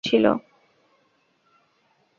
সকল যুগে সর্বত্রই অল্পবিস্তর অসুরপ্রকৃতির লোক ছিল।